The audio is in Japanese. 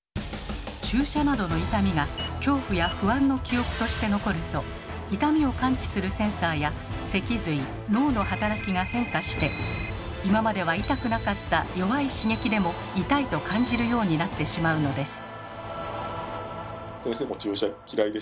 注射などの痛みが恐怖や不安の記憶として残ると痛みを感知するセンサーや脊髄脳の働きが変化して今までは痛くなかった弱い刺激でも痛いと感じるようになってしまうのです。